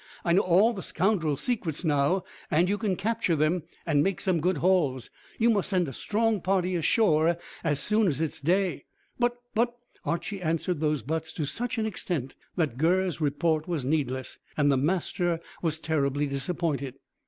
I know all the scoundrels' secrets now, and you can capture them, and make some good hauls. You must send a strong party ashore as soon as it's day." "But but " Archy answered those buts to such an extent that Gurr's report was needless, and the master was terribly disappointed.